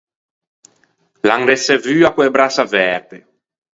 L’an reçevua co-e brasse averte.